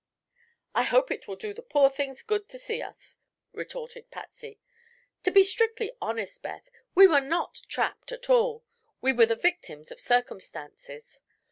"I hope it will do the poor things good to see us," retorted Patsy. "To be strictly honest, Beth, we were not trapped at all; we were the victims of circumstances.